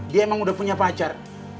dia emang udah punya pacar